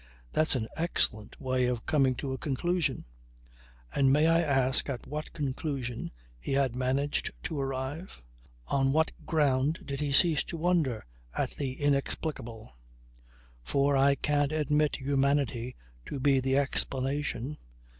"That's an excellent way of coming to a conclusion. And may I ask at what conclusion he had managed to arrive? On what ground did he cease to wonder at the inexplicable? For I can't admit humanity to be the explanation.